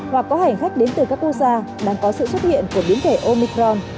hoặc có hành khách đến từ các quốc gia đang có sự xuất hiện của biến thể omicron